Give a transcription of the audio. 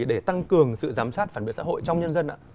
để tăng cường sự giám sát phản biện xã hội trong nhân dân ạ